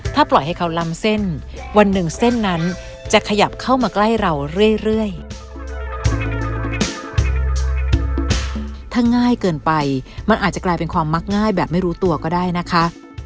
ถ้าปล่อยให้เขาล้ำเส้นวันหนึ่งเส้นนั้นจะขยับเข้ามาใกล้เราเรื่อยถ้าง่ายเกินไปมันอาจจะกลายเป็นความมักง่ายแบบไม่รู้ตัวก็ได้นะคะ